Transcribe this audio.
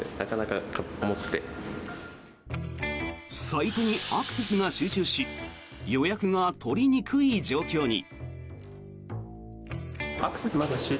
サイトにアクセスが集中し予約が取りにくい状況に。